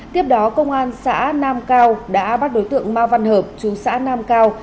tiếp đó công an xã nam cao đã bắt đối tượng ma văn hợp chú xã nam cao